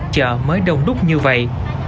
chợ mới đông đúc như vậy